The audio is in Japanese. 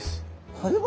これは？